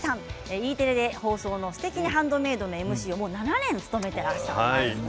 Ｅテレで放送の「すてきにハンドメイド」でＭＣを７年務めていらっしゃいます。